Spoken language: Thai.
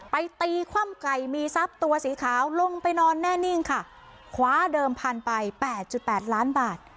ตีคว่ำไก่มีทรัพย์ตัวสีขาวลงไปนอนแน่นิ่งค่ะคว้าเดิมพันไปแปดจุดแปดล้านบาท